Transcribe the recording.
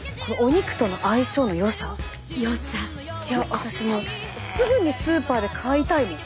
私もうすぐにスーパーで買いたいもん。